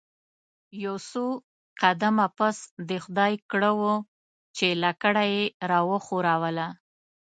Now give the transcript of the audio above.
یو څو قدمه پس د خدای کړه وو چې لکړه یې راوښوروله.